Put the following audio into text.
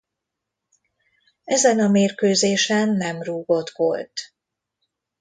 Ezen a mérkőzésen nem rúgott gólt.